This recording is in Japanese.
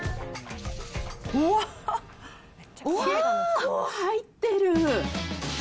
うわっ、結構入ってる。